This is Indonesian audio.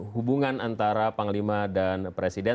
hubungan antara panglima dan presiden